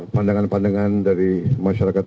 pandangan pandangan dari masyarakat